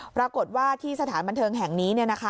ปรากฏว่าที่สถานบันเทิงแห่งนี้